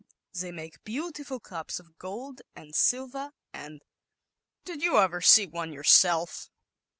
They make beautiful cups f gold and silver, and v "Did you *"^ ver see one yourself?